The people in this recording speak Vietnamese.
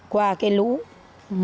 qua cái lũ mương tè